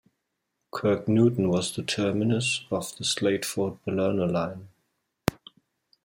Kirknewton was the terminus of the Slateford-Balerno line.